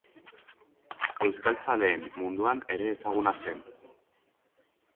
Euskaltzaleen munduan ere ezaguna zen.